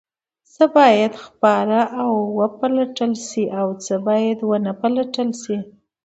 څه باید خپاره او وپلټل شي او څه باید ونه پلټل شي؟